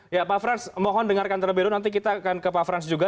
ya pak frans mohon dengarkan terlebih dulu nanti kita akan ke pak frans juga